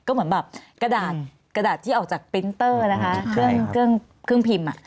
ก็เหมือนแบบกระดาษที่ออกจากปรินเตอร์นะคะเครื่องพิมพ์